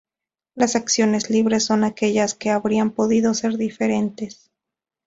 Las acciones libres son aquellas que habrían podido ser diferentes.